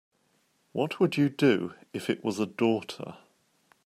What would you do if it was a daughter?